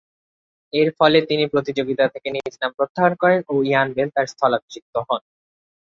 এরফলে তিনি প্রতিযোগিতা থেকে নিজ নাম প্রত্যাহার করেন ও ইয়ান বেল তার স্থলাভিষিক্ত হন।